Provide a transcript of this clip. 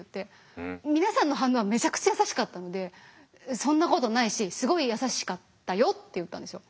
皆さんの反応はめちゃくちゃ優しかったので「そんなことないしすごい優しかったよ」って言ったんですよ。